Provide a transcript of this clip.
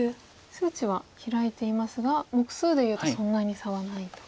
数値は開いていますが目数で言うとそんなに差はないと。